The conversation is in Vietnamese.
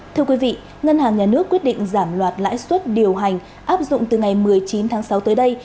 thưa quý vị ngân hàng nhà nước quyết định giảm loạt lãi suất điều hành áp dụng từ ngày một mươi chín tháng sáu tới đây